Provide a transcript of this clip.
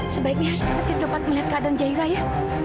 sebaiknya kita cepat cepat melihat keadaan jairah ya